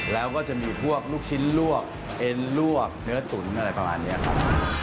แล้วก็จะมีพวกลูกชิ้นลวกเอ็นลวกเนื้อตุ๋นอะไรประมาณนี้ครับ